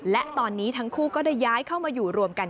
และตอนนี้ทั้งคู่ก็ได้ย้ายเข้ามาอยู่รวมกัน